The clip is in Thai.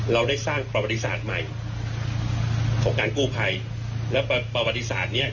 เราได้สร้างประวัติศาสตร์ใหม่ของการกู้ภัยแล้วประวัติศาสตร์เนี้ย